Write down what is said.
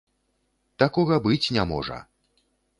Такога быць не можа!